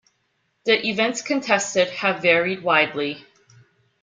The events contested have varied widely.